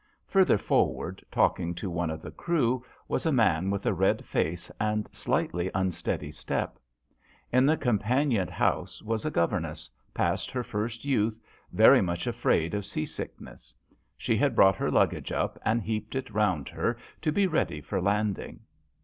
Further forward, talking to one of the crew, was a man with a red face and slightly unsteady step. In the companion house was a governess, past her first youth, very much afraid of sea sickness. She had brought her luggage up and heaped it round her to be ready for landing.